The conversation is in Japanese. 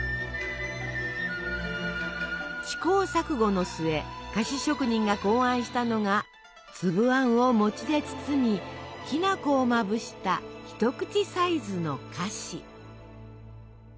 試行錯誤の末菓子職人が考案したのがつぶあんを餅で包みきな粉をまぶした一口サイズの菓子。